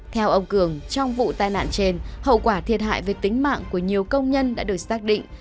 theo ông cường trong vụ tai nạn trên hậu quả thiệt hại về tính mạng của nhiều công nhân đã được xác định